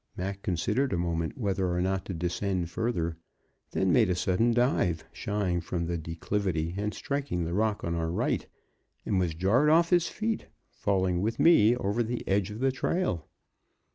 Mac considered a moment whether or not to descend further, then made a sudden dive, shying from the declivity and striking the rock on our right, and was jarred off his feet, falling with me over the edge of the trail.